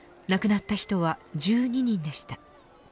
亡くなった人は１２人でした。